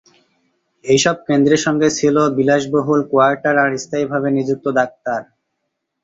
এইসব কেন্দ্রের সঙ্গে ছিলো বিলাসবহুল কোয়ার্টার আর স্থায়ীভাবে নিযুক্ত ডাক্তার।